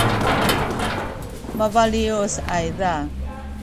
mabaliyus ayza